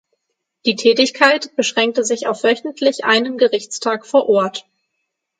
Die Tätigkeit beschränkte sich auf wöchentlich einen Gerichtstag vor Ort.